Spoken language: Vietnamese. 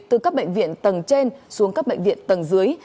từ các bệnh viện tầng trên xuống các bệnh viện tầng dưới